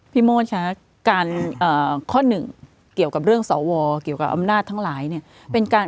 โมดคะการข้อหนึ่งเกี่ยวกับเรื่องสวเกี่ยวกับอำนาจทั้งหลายเนี่ย